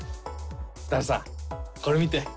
ダルさんこれ見て！